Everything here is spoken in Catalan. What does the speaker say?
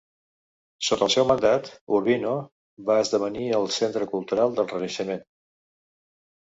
Sota el seu mandat, Urbino va esdevenir el centre cultural del Renaixement.